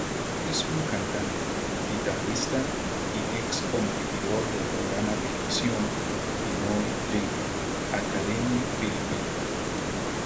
Es un cantante, guitarrista y ex-competidor del programa televisión Pinoy Dream Academy filipino.